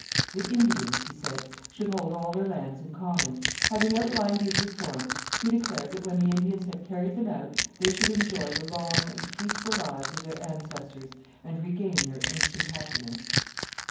The Indians, he said, should hold all their lands in common. Having outlined these reforms, he declared that when the Indians had carried them out, they should enjoy the long and peaceful lives of their ancestors and regain their ancient happiness.